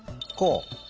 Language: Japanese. こう？